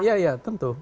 iya iya tentu